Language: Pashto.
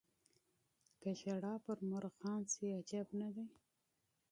که ژړا پر مرغان شي عجب نه دی.